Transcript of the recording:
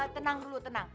tenang dulu tenang